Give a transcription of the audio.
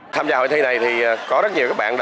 tham gia hội thi này thì có rất nhiều các bạn